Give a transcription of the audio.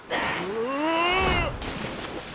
うわ！